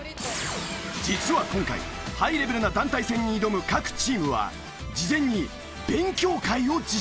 実は今回ハイレベルな団体戦に挑む各チームは事前に勉強会を実施。